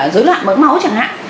rối loạn mỡ máu chẳng hạn